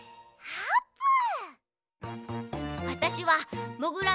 あーぷん！